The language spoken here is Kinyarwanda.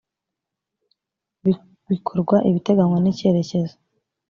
bikorwa ibiteganywa n icyerecyezo